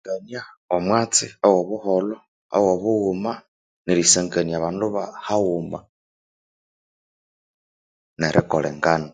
erikania omwatsi oyobuholho oyubughuma nerisangania abandu bahaghuma nerikolengana